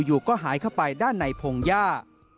อยู่ก็หายเข้าไปด้านในพงหญ้า